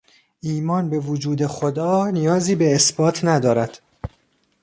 ایمان به وجود خدا نیازی به اثبات ندارد.